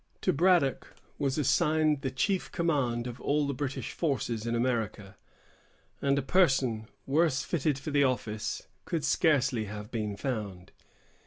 To Braddock was assigned the chief command of all the British forces in America; and a person worse fitted for the office could scarcely have been found.